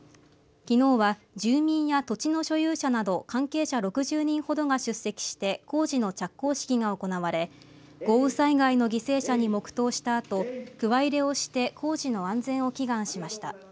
きのうは住民や土地の所有者など関係者６０人ほどが出席して工事の着工式が行われ豪雨災害の犠牲者に黙とうしたあとくわ入れをして工事の安全を祈願しました。